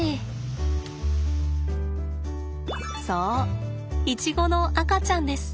そうイチゴの赤ちゃんです。